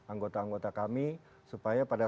anggota anggota kami supaya pada